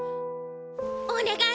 お願い！